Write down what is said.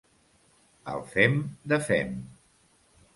El fem de fem.